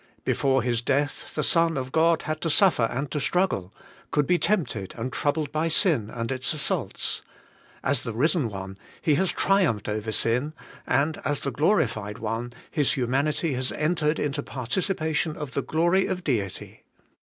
Before His death, the Son of God had to suffer and to struggle, could be tempted and troubled by sin and its assaults: as the Risen One, He has triumphed over sin; and, as the Glorified One, His humanity has entered into participation of the glory of Deity.